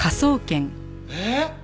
えっ！